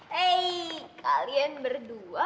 hei kalian berdua